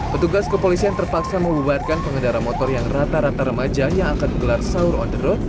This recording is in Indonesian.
petugas kepolisi yang terpaksa membuatkan pengendara motor yang rata rata remaja yang akan bergelar sahur on the road